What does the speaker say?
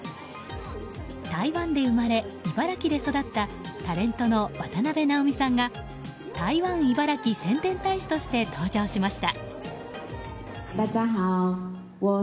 台湾で生まれ、茨城で育ったタレントの渡辺直美さんが台湾いばらき宣伝大使として登場しました。